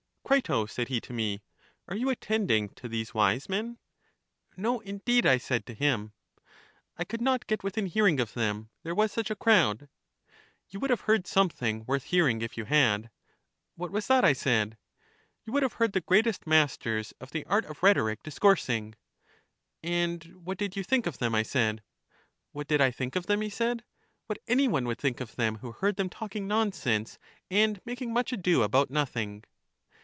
" Crito," said he to me, " are you attending to these wise men? "" No, indeed," I said to him; EUTHYDEMUS 271 " I could not get within hearing of them, there was such a crowd." " You would have heard something worth hearing if you had." " What was that? " I said. " You would have heard the greatest masters of the art of rhetoric discoursing." " And what did you think of them? " I said. " What did I think of them," he said; " what any one would think of them who heard them talking nonsense, and making much ado about nothing."